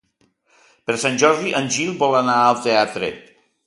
Per Sant Jordi en Gil vol anar al teatre.